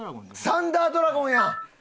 サンダードラゴンや！